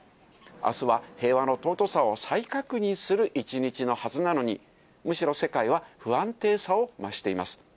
あすは平和の尊さを再確認する一日のはずなのに、むしろ世界は不安定さを増しています。